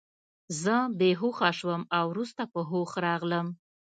زه بې هوښه شوم او وروسته په هوښ راغلم